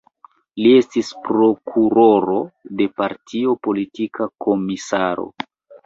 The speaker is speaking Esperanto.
Li estis prokuroro de partio, politika komisaro.